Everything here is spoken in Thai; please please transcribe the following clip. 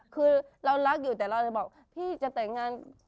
คือเรารักอยู่แต่เราจะบอกพี่จะแต่งงาน